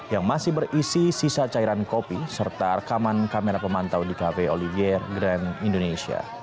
yang masih berisi sisa cairan kopi serta rekaman kamera pemantau di cafe olivier grand indonesia